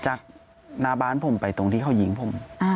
จากหน้าบ้านผมไปตรงที่เขายิงผม